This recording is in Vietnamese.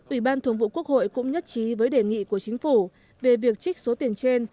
ủy ban thường vụ quốc hội cũng nhất trí với đề nghị của chính phủ về việc trích số tiền trên